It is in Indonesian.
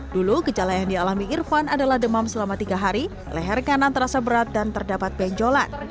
dulu gejala yang dialami irfan adalah demam selama tiga hari leher kanan terasa berat dan terdapat benjolan